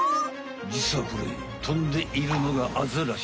じつはこれ飛んでいるのがアザラシ。